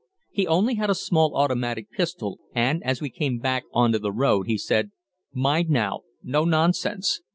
He only had a small automatic pistol, and, as we came back on to the road, he said, "Mind now, no nonsense!